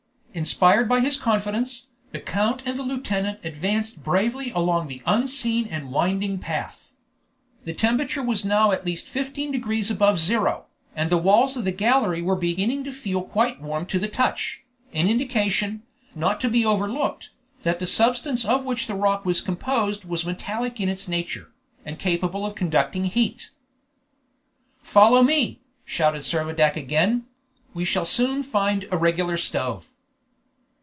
Inspired by his confidence, the count and the lieutenant advanced bravely along the unseen and winding path. The temperature was now at least fifteen degrees above zero, and the walls of the gallery were beginning to feel quite warm to the touch, an indication, not to be overlooked, that the substance of which the rock was composed was metallic in its nature, and capable of conducting heat. "Follow me!" shouted Servadac again; "we shall soon find a regular stove!"